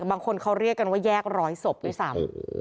บางคนเขาเรียกกันว่าแยกร้อยศพด้วยซ้ำ